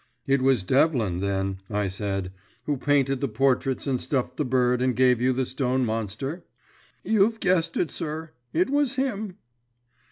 "It was Devlin, then," I said, "who painted the portraits and stuffed the bird and gave you the stone monster?" "You've guessed it, sir. It was him."